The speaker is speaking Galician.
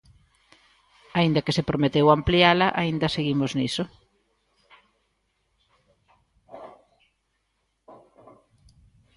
Aínda que se prometeu ampliala, aínda seguimos niso.